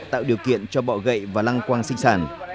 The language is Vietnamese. tạo điều kiện cho bọ gậy và lăng quang sinh sản